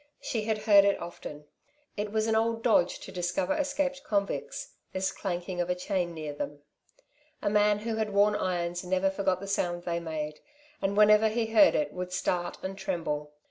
She had heard it often. It was an old dodge to discover escaped convicts, this clanking of a chain near them. A man who had worn irons never forgot the sound they made, and whenever he heard it would start and tremble.